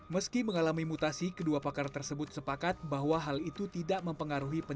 meski mengalami mutasi kedua pakar tersebut sepakat bahwa hal itu tidak mempengaruhi pendapat